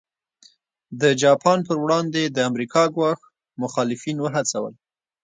د جاپان پر وړاندې د امریکا ګواښ مخالفین وهڅول.